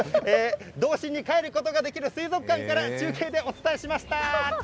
童心にかえることができる水族館からお伝えしました。